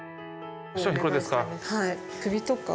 商品、これですか？